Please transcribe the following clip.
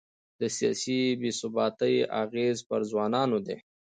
د سیاسي بې ثباتۍ اغېز پر ځوانانو دی.